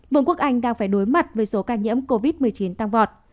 vương quốc anh đang phải đối mặt với số ca nhiễm covid một mươi chín tăng vọt